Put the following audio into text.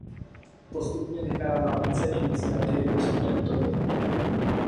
Postupně nechává více iniciativy na studentovi.